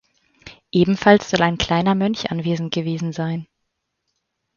Ebenfalls soll ein kleiner Mönch anwesend gewesen sein.